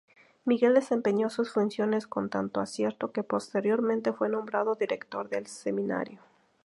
Miguel desempeñó sus funciones con tanto acierto que posteriormente fue nombrado Director del Seminario.